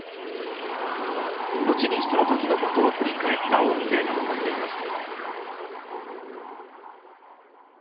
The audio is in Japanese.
後にその時のことを振り返った音声が残っています。